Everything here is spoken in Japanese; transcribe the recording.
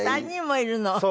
３人もいるの？